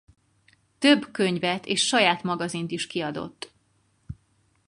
Több könyvet és saját magazint is kiadott.